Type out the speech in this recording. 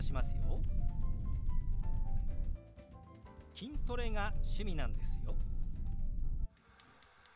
「筋トレが趣味なんですよ」。